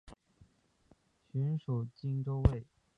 寻属靖州卫。